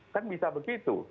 kan bisa begitu